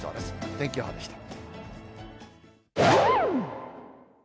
天気予報でした。